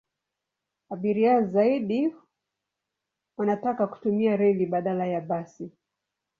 Abiria zaidi wanataka kutumia reli badala ya basi.